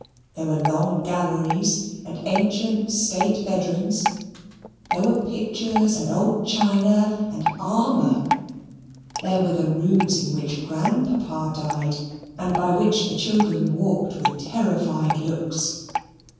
There were long galleries, and ancient state bedrooms, there were pictures and old China, and armour. There were the rooms in which Grandpapa died, and by which the children walked with terrified looks.